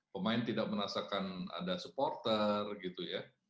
pemain tidak merasakan ada supporter gitu ya